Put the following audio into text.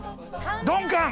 ドンカン！